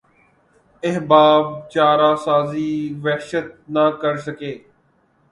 احباب چارہ سازی وحشت نہ کرسکے